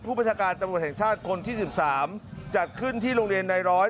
ประชาการตำรวจแห่งชาติคนที่๑๓จัดขึ้นที่โรงเรียนในร้อย